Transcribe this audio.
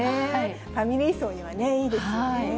ファミリー層にはいいですよね。